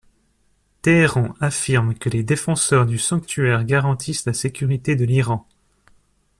Téhéran affirme que les Défenseurs du sanctuaire garantissent la sécurité de l'Iran.